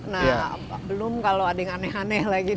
nah belum kalau ada yang aneh aneh lagi